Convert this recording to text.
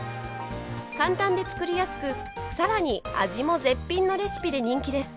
簡単で作りやすく更に味も絶品のレシピで人気です。